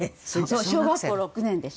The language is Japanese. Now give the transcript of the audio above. そう小学校６年でした。